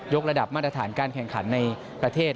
กระดับมาตรฐานการแข่งขันในประเทศ